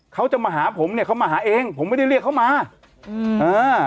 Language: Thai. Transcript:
เขาจะมาหาผมเนี้ยเขามาหาเองผมไม่ได้เรียกเขามาอืมอ่า